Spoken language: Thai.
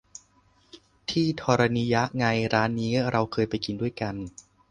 ที่ธนิยะไง ร้านนี้เราเคยไปกินด้วยกัน